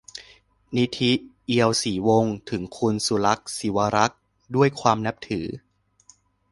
นิธิ เอียวศรีวงศ์ : ถึงคุณสุลักษณ์ ศิวรักษ์ ด้วยความนับถือ